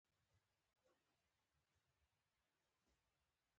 نیکه له خلکو سره مهرباني کوي.